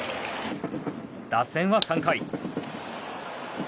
打線は３回。